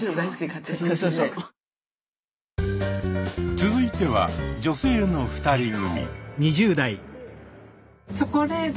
続いては女性の２人組。